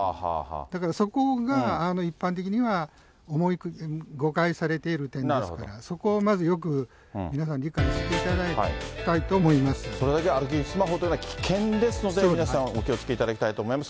だからそこが、一般的には、誤解されている点ですから、そこをまずよく皆さん、理解していたそれで歩きスマホというのは危険ですので、皆さん、お気をつけいただきたいと思います。